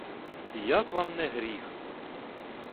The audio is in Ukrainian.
І як вам не гріх?